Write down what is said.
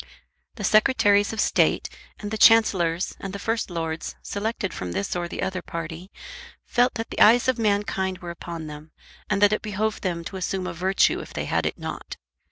_ The Secretaries of State, and the Chancellors, and the First Lords, selected from this or the other party, felt that the eyes of mankind were upon them, and that it behoved them to assume a virtue if they had it not.